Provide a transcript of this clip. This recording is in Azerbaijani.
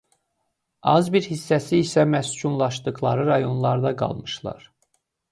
Az bir hissəsi isə məskunlaşdıqları rayonlarda qalmışlar.